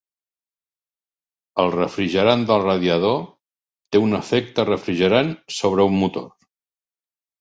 El refrigerant del radiador té un efecte refrigerant sobre un motor.